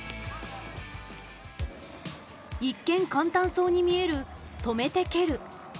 一見簡単そうに見える「止めて蹴る」。